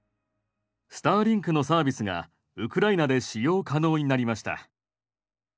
「スターリンクのサービスがウクライナで使用可能になりました」。